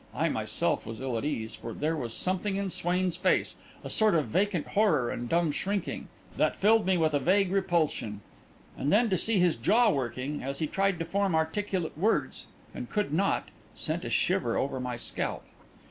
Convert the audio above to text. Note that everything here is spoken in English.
I myself was ill at ease, for there was something in Swain's face a sort of vacant horror and dumb shrinking that filled me with a vague repulsion. And then to see his jaw working, as he tried to form articulate words and could not, sent a shiver over my scalp.